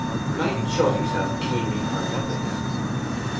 Knight showed himself keenly hurt at this.